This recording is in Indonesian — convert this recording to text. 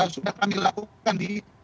sudah kami lakukan